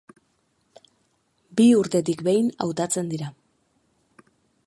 Bi urtetik behin hautatzen dira.